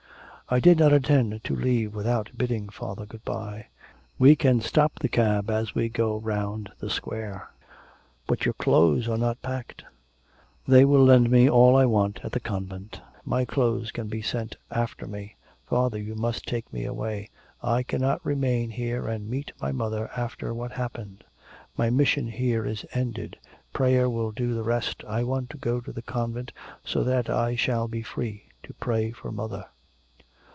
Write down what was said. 'I did not intend to leave without bidding father good bye. We can stop the cab as we go round the Square.' 'But your clothes are not packed.' 'They will lend me all I want at the convent, my clothes can be sent after me. Father, you must take me away, I cannot remain here and meet mother after what happened. My mission here is ended; prayer will do the rest. I want to go to the convent so that I shall be free to pray for mother.'